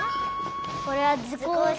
これはずこうしつ。